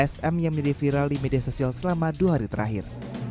sm yang menjadi viral di media sosial selama dua hari terakhir